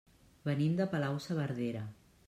Venim de Palau-saverdera.